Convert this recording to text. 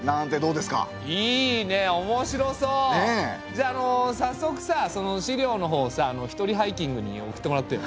じゃああのさっそくさその資料のほうさ一人ハイキングに送ってもらってよ。